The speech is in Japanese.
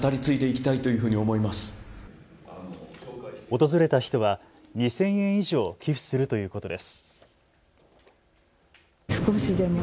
訪れた人は２０００円以上寄付するということです。